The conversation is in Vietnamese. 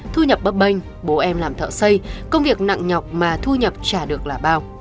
thu nhập bấp bênh bố em làm thợ xây công việc nặng nhọc mà thu nhập trả được là bao